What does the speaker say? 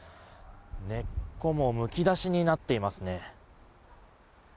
根っこもむき出しになっていますね。